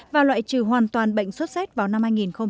và loại trừ hoàn toàn bệnh sot z vào năm hai nghìn ba mươi